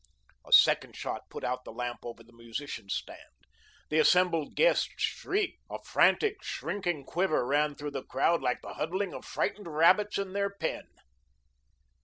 A second shot put out the lamp over the musicians' stand. The assembled guests shrieked, a frantic, shrinking quiver ran through the crowd like the huddling of frightened rabbits in their pen.